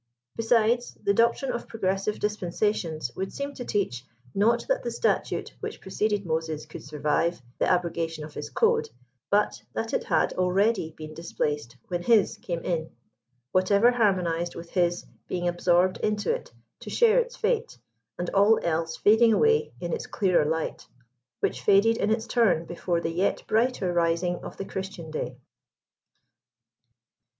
Besides, the doctrine of progressive dispensations would seem to teach, not that the statute which preceded Moses could survive the abro gation of his code, but that it had already been displaced when, his came in, whatever harmonized with his being absorbed into it, to share its fate, and all else fading away in its clearer light, which faded in its turn before the yet brighter rising of the Christian day.